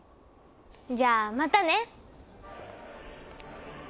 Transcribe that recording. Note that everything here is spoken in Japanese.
じゃあまたね。